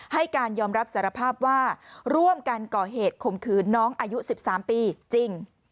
ให้การยอมรับสารภาพว่าร่วมกันก่อเหตุข่มขืนน้องอายุ๑๓ปีจริง